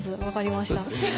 分かりました。